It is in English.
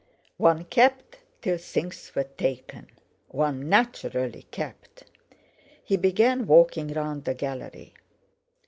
One kept till things were taken—one naturally kept! He began walking round the gallery.